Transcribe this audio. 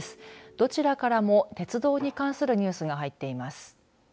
どちらからも鉄道に関するニュースが入っています。